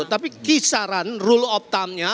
tapi kisaran rule of thumbnya